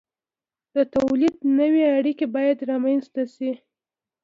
د تولید نوې اړیکې باید رامنځته شي.